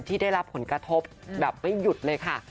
ที่ได้รับผลกระทบแบบไม่หยุดเลยค่ะ